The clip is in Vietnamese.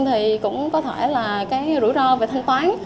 thì cũng có thể là cái rủi ro về thanh toán